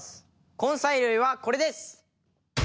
根菜類はこれです！